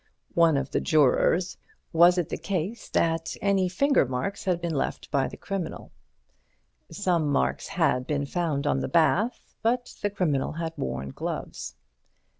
One of the jurors: Was it the case that any finger marks had been left by the criminal? Some marks had been found on the bath, but the criminal had worn gloves.